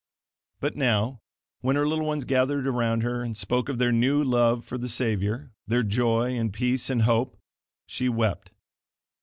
But now, when her little ones gathered around her and spoke of their new love for the Savior, their joy and peace and hope, she wept.